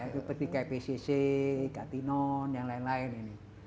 seperti kpcc katinon yang lain lain ini